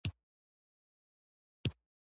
د کاریګرو د غورځېدو مخنیوي لپاره باید تدابیر ونیول شي.